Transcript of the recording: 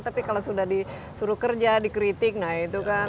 tapi kalau sudah disuruh kerja dikritik nah itu kan